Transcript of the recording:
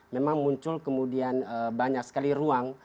memang muncul kemudian banyak sekali ruang